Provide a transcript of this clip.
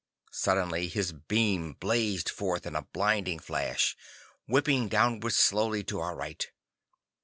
Suddenly his beam blazed forth in a blinding flash, whipping downward slowly to our right.